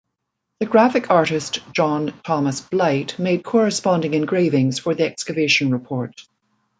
The graphic artist John Thomas Blight made corresponding engravings for the excavation report.